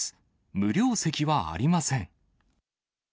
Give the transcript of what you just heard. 無料席はありません！